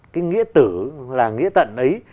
cái nghĩa tử là nghĩa tận ấy